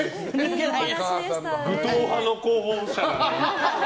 武闘派の候補者が。